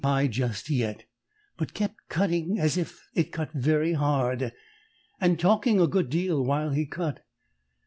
pie just yet, but kept cutting as if it cut very hard, and talking a good deal while he cut.